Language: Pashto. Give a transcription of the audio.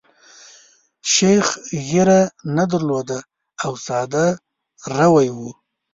شیخ ږیره نه درلوده او ساده روی وو.